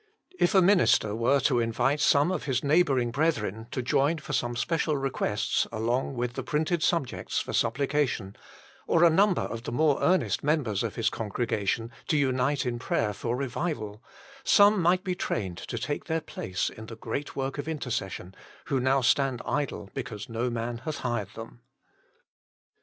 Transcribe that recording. If a minister were to invite some of his neighbouring brethren to join for some special requests along with the printed subjects for suppli cation, or a number of the more earnest members of his congregation to unite in prayer for revival, some might be trained to take their place in the great work of intercession, who now stand idle because no man hath hired them.